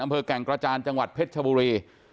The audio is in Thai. อำเภอแก่งกระจารจังหวัดเพชรชบูรณ์